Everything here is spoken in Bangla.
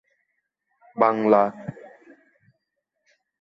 কিন্তু পরিবর্তে সুরেশ প্রথম দর্শনে তার প্রেমে পড়ে যান।